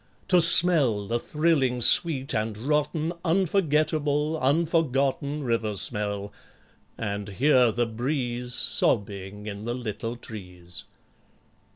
To smell the thrilling sweet and rotten Unforgettable, unforgotten River smell, and hear the breeze Sobbing in the little trees.